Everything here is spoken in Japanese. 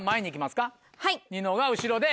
ニノが後ろで。